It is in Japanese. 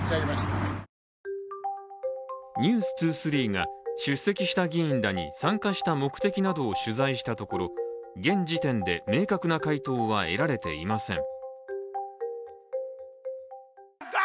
「ｎｅｗｓ２３」が出席した議員らに参加した目的などを取材したところ、現時点で明確な回答は得られていません。